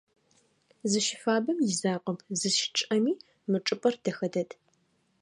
Зыщыфабэм изакъоп, зыщычъыӏэми мы чӏыпӏэр дэхэ дэд.